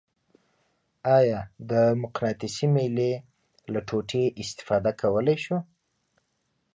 آیا د مقناطیسي میلې له ټوټې استفاده کولی شو؟